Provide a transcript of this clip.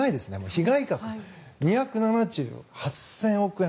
被害額が２０７兆８０００億円